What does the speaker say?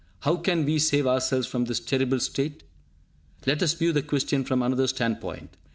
How can we save ourselves from this terrible state? Let us view the question from another standpoint.